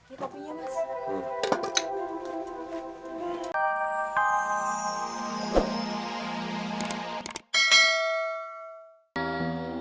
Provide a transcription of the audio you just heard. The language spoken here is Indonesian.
ini topinya mas